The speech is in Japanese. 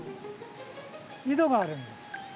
井戸があるんです。